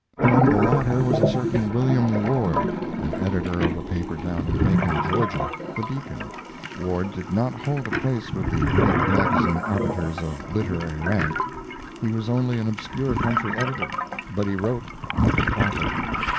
Among the latter was a certain William Ward, an editor of a paper down in Macon, Georgia The Beacon. Ward did not hold a place with the great magazine arbiters of literary rank. He was only an obscure country editor, but he wrote like a prophet.